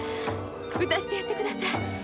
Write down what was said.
打たしてやってください。